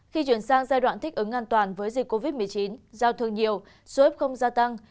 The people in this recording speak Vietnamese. khi chuyển sang giai đoạn thích ứng an toàn với dịch covid một mươi chín giao thương nhiều số f gia tăng